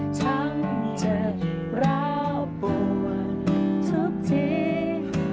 ชั้นเจ็บแล้วปวดทุกที